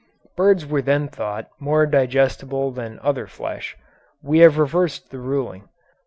(Birds were then thought more digestible than other flesh; we have reversed the ruling.